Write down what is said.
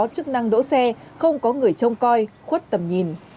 chức năng đỗ xe không có người trông coi khuất tầm nhìn